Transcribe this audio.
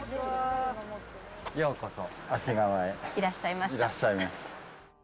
いらっしゃいました。